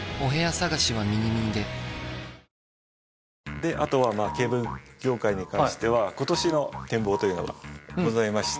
であとはケーブル業界に関しては今年の展望というのがございまして。